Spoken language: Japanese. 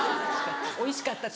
「おいしかった」って。